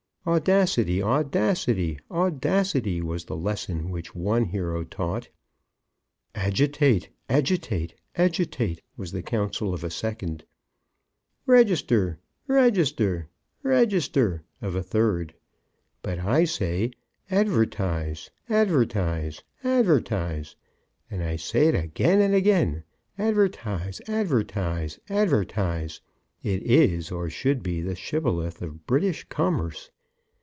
"Audacity audacity audacity," was the lesson which one hero taught. "Agitate agitate agitate," was the counsel of a second. "Register register register," of a third. But I say Advertise, advertise, advertise! And I say it again and again Advertise, advertise, advertise! It is, or should be, the Shibboleth of British commerce.